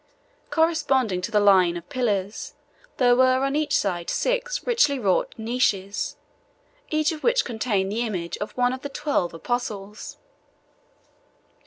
Corresponding to the line of pillars, there were on each side six richly wrought niches, each of which contained the image of one of the twelve apostles.